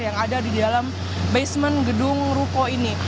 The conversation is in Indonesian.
yang ada di dalam basement gedung ruko ini